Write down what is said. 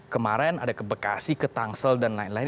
kemarin ada ke bekasi ke tangsel dan lain lain